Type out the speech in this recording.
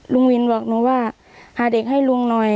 ลุงวินบอกหนูว่าพาเด็กให้ลุงหน่อย